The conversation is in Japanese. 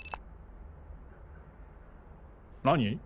何！？